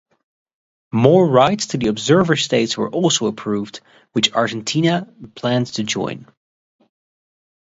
More rights to the observer states was also approved, which Argentina planned to join.